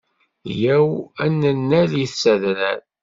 Yya-w ad nalit s adrar!